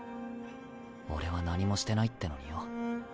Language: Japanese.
俺は何もしてないってのによ。